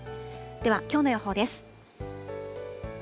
では、きょうの予報です。